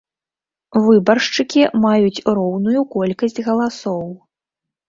Выбаршчыкі маюць роўную колькасць галасоў.